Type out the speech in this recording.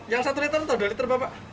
yang satu liter atau dua liter bapak